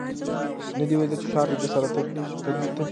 نه دي ولیده چي ښار دي سره تبۍ سو